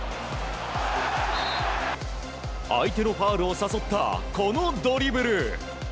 相手のファウルを誘ったこのドリブル！